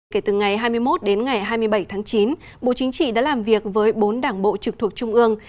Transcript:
kể từ ngày hai mươi một đến ngày hai mươi bảy tháng chín bộ chính trị đã làm việc với bốn đảng bộ trực thuộc trung ương